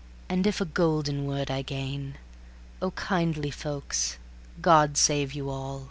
. And if a golden word I gain, Oh, kindly folks, God save you all!